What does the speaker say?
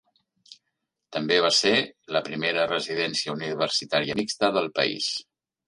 També va ser la primera residència universitària mixta del país.